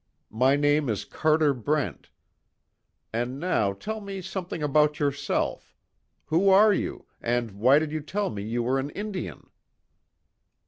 My name is Carter Brent. And now, tell me something about yourself. Who are you? And why did you tell me you were an Indian?"